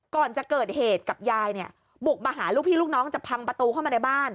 ก่อนจะเกิดเหตุกับยายเนี่ยบุกมาหาลูกพี่ลูกน้องจะพังประตูเข้ามาในบ้าน